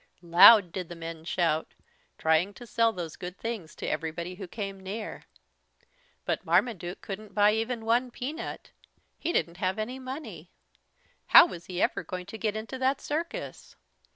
Loud did the men shout, trying to sell those good things to everybody who came near. But Marmaduke couldn't buy even one peanut. He didn't have any money. How was he ever going to get into that circus!